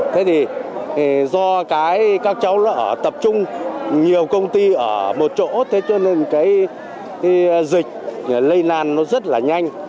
thế thì do cái các cháu nó ở tập trung nhiều công ty ở một chỗ thế cho nên cái dịch lây lan nó rất là nhanh